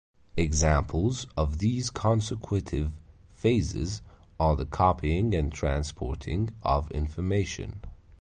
Examples of these consecutive phases are the copying and transporting of information.